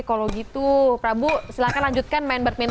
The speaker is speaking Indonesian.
kalau gitu prabu silahkan lanjutkan main main ini ya